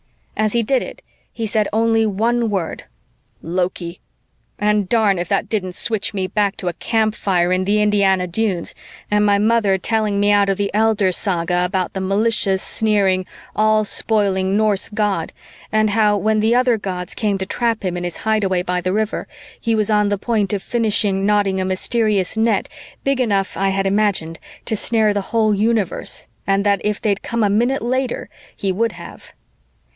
As he did it, he said only one word, "Loki!" and darn if that didn't switch me back to a campfire in the Indiana Dunes and my mother telling me out of the Elder Saga about the malicious, sneering, all spoiling Norse god and how, when the other gods came to trap him in his hideaway by the river, he was on the point of finishing knotting a mysterious net big enough, I had imagined, to snare the whole universe, and that if they'd come a minute later, he would have.